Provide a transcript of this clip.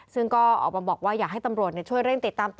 ซึ่งก็ออกมาบอกว่าอยากให้ตำรวจช่วยเร่งติดตามตัว